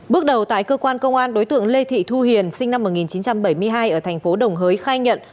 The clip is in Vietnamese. bước đầu tại cơ quan công an đối tượng lê thị thu hiền sinh năm một nghìn chín trăm bảy mươi hai ở thành phố đồng hới khai nhận